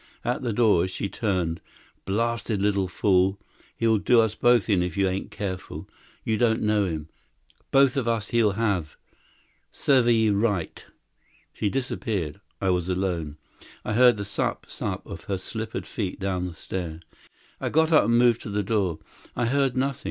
At the door she turned; "Blasted little fool! He'll do us both in if y'ain't careful. You don't know him. Both of us he'll have. Serveyeh right." She disappeared. I was alone. I heard the sup sup of her slippered feet down the stair. I got up, and moved to the door. I heard nothing.